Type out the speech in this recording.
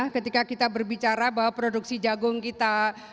ketika kita berbicara bahwa produksi jagung kita